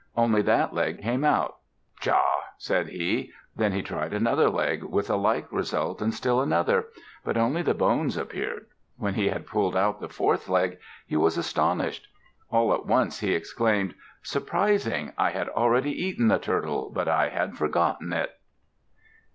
Only that leg came out. "Pshaw!" said he. Then he tried another leg, with a like result, and still another, but only the bones appeared. When he had pulled out the fourth leg, he was astonished. All at once he exclaimed, "Surprising! I had already eaten the Turtle, but I had forgotten it."